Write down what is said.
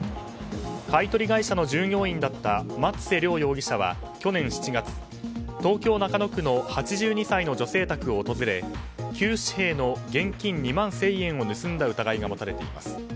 買い取り会社の従業員だった松瀬亮容疑者は去年７月、東京・中野区の８２歳の女性宅を訪れ旧紙幣の現金２万１０００円を盗んだ疑いが持たれています。